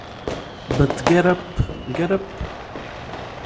But get up, get up!